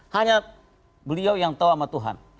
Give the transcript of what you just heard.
hanya beliau yang tahu sama tuhan